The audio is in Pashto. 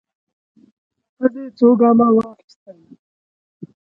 ښځې څو ګامه واخيستل.